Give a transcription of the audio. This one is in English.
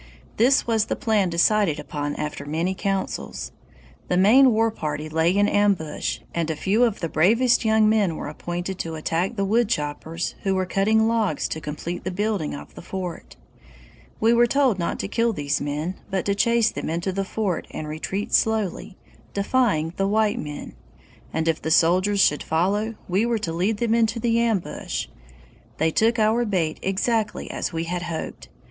"This was the plan decided upon after many councils. The main war party lay in ambush, and a few of the bravest young men were appointed to attack the woodchoppers who were cutting logs to complete the building of the fort. We were told not to kill these men, but to chase them into the fort and retreat slowly, defying the white men; and if the soldiers should follow, we were to lead them into the ambush. They took our bait exactly as we had hoped!